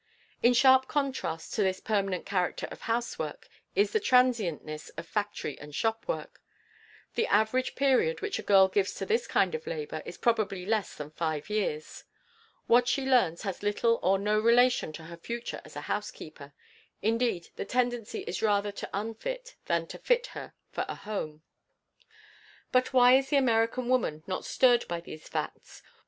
In sharp contrast to this permanent character of housework is the transientness of factory and shop work. The average period which a girl gives to this kind of labor is probably less than five years. What she learns has little or no relation to her future as a housekeeper indeed, the tendency is rather to unfit than to fit her for a home. But why is the American woman not stirred by these facts?